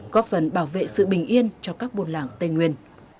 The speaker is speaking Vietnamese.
góp phần bảo vệ sự bình yên cho các buôn làng tây nguyên